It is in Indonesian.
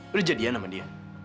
udah jadian sama dia